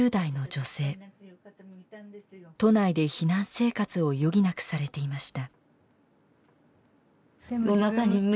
都内で避難生活を余儀なくされていました。